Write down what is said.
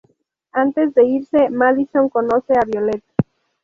Antes de irse, Madison conoce a Violet.